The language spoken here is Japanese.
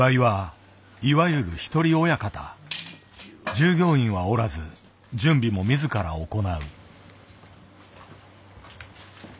従業員はおらず準備も自ら行う。